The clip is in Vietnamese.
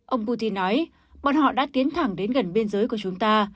ông putin nói bọn họ đã tiến thẳng đến gần biên giới của chúng ta